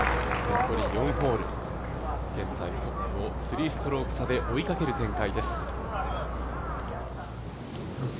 残り４ホール、現在、３ストローク差で追いかける展開です。